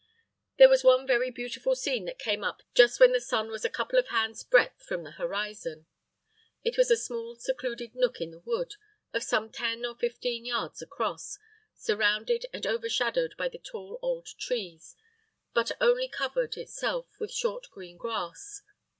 There was one very beautiful scene that came up just when the sun was a couple of hands' breadth from the horizon. It was a small secluded nook in the wood, of some ten or fifteen yards across, surrounded and overshadowed by the tall old trees, but only covered, itself, with short green grass.